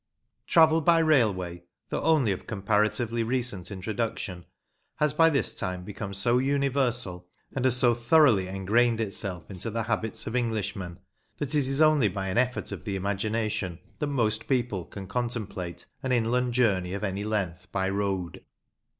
RAVEL by railway, though only of comparatively recent introduction, has by this time become so universal, and has so thoroughly engrained itself into the habits of Englishmen, that it is only by an effort of the imagination that most people can contemplate an inland journey of any length by road.